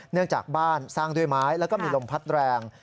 เนื่องจากบ้านสร้างด้วยไม้แล้วก็มีลมพัดแรง